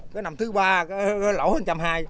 cái năm thứ ba cái lỗ thành một trăm hai mươi